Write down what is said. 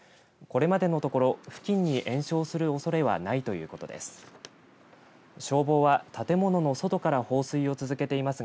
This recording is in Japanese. これまでのところ付近に延焼するおそれはないということです。